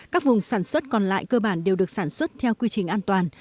các vùng sản xuất còn lại cơ bản đều được sản xuất theo quy trình an toàn